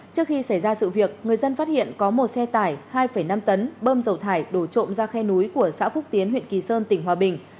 trước khi xảy ra sự việc người dân phát hiện có một xe tải hai năm tấn bơm dầu thải đổ trộm ra khe núi của xã phúc tiến huyện kỳ sơn tỉnh hòa bình